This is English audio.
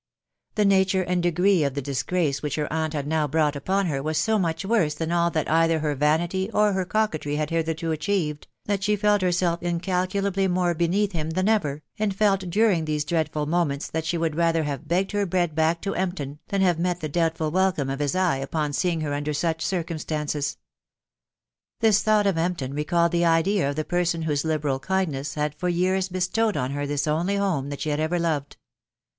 The nature and degree of the disgrace which her aunt had now brought upon her was so much worse than all that either her vanity or her coquetry had hitherto achieved, that she felt herself incalculably more beneath him than ever, and felt dur ing these dreadful moments that she would rather have begged her bread back to Empton, than have met the doubtful wel come of his eye upon seeing her under such circumstances. This thought of Empton recalled the idea of the person whose liberal kindness had for years bestowed on her this only home that she had ever loved.